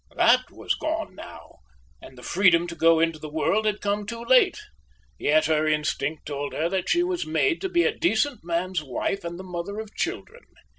That was gone now, and the freedom to go into the world had come too late; yet her instinct told her that she was made to be a decent man's wife and the mother of children.